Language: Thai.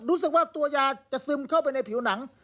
รู้สึกว่าตัวยาจะซึมเข้าไปในผิวหนัง